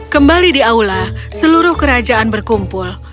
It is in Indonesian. kembali di aula seluruh kerajaan berkumpul